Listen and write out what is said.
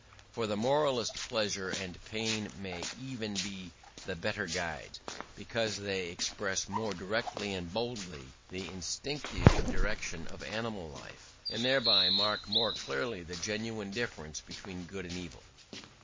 For the moralist pleasure and pain may even be the better guides, because they express more directly and boldly the instinctive direction of animal life, and thereby mark more clearly the genuine difference between good and evil.